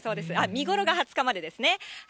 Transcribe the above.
見頃が２０日までですね。